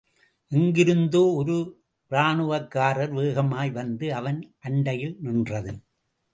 எங்கிருந்தோ ஒரு ராணுவக்கார் வேகமாய் வந்து அவன் அண்டையில் நின்றது.